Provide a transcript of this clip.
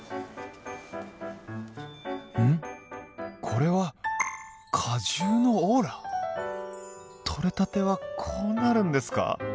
これは果汁のオーラ？取れたてはこうなるんですか！